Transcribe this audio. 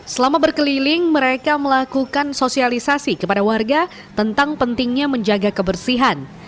selama berkeliling mereka melakukan sosialisasi kepada warga tentang pentingnya menjaga kebersihan